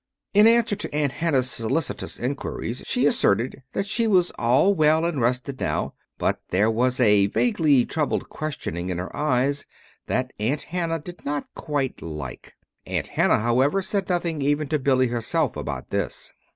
In answer to Aunt Hannah's solicitous inquiries, she asserted that she was all well and rested now. But there was a vaguely troubled questioning in her eyes that Aunt Hannah did not quite like. Aunt Hannah, however, said nothing even to Billy herself about this.